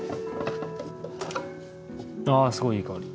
ああすごいいい香り。